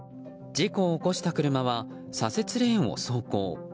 事故を起こした車は左折レーンを走行。